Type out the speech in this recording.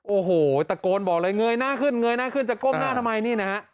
โอ้โหตะโกนบอกเลยเงยหน้าขึ้นเงยหน้าขึ้นจะก้มหน้าทำไมนี่นะฮะ